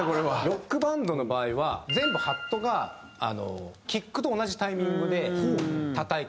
『ＲＯＣＫＢＡＮＤ』の場合は全部ハットがキックと同じタイミングで叩いてる。